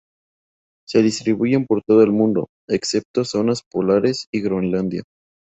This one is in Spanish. Se distribuyen por todo el mundo, excepto zonas polares y Groenlandia.